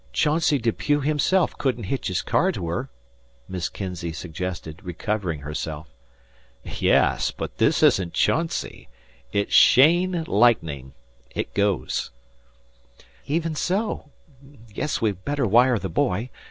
Chauncey Depew himself couldn't hitch his car to her," Miss Kinzey suggested, recovering herself. "Yes, but this isn't Chauncey. It's Cheyne lightning. It goes." "Even so. Guess we'd better wire the boy.